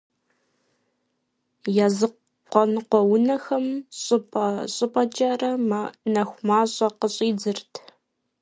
Языныкъуэ унэхэм щӀыпӀэ-щӀыпӀэкӀэрэ нэху мащӀэ къыщӀидзырт.